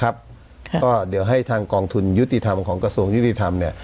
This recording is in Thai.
ก็เดี๋ยวให้ทางกองทุนยุติธรรมของกระทรวงยุติธรรม